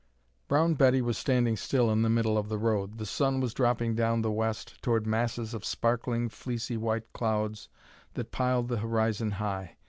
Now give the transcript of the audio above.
Brown Betty was standing still in the middle of the road. The sun was dropping down the west, toward masses of sparkling, fleecy white clouds that piled the horizon high.